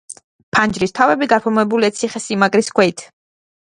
ფანჯრის თავები გაფორმებულია ციხესიმაგრის ქვით.